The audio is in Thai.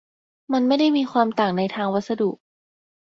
มันไม่ได้มีความต่างในทางวัสดุ